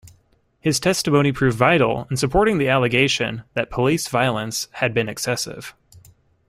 His testimony proved vital in supporting the allegation that Police violence had been excessive.